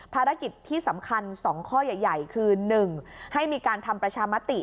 ภารกิจที่สำคัญ๒ข้อใหญ่คือ๑ให้มีการทำประชามติ